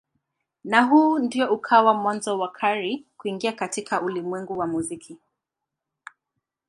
Na huu ndio ukawa mwanzo wa Carey kuingia katika ulimwengu wa muziki.